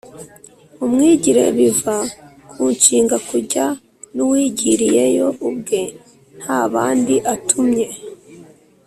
umwigire: biva ku nshinga “kujya”; ni uwigiriyeyo ubwe, nta bandi atumye